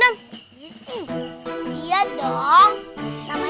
namanya juga c